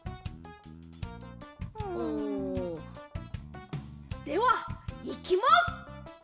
ん？ではいきます。